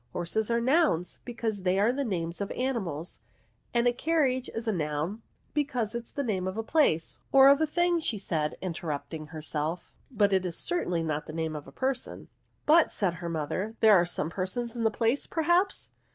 Horses are noims, because they are the names of animals; and a carriage is a noun, because it is the name of a place — or of a thing," said she, interrupting herself; but it is certainly not the name of a person." *^ But," said her mother, " there are some persons in the place, perhaps